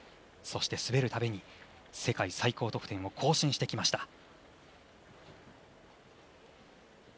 そして滑るたびに世界最高得点を更新してきました。